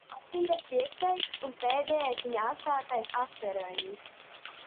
Tas bija piektais un pēdējais viņa atklātais asteroīds.